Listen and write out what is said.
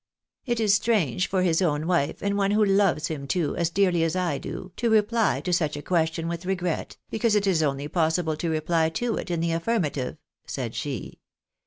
" It is strange for his own wife, and one who loves him too, as dearly as I do, to reply to such a question with regret, because it is only possible to reply to it in the affirmative," said she.